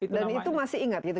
dan itu masih ingat gitu